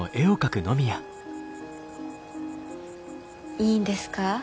いいんですか？